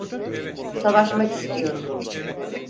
Savaşmak istiyorum.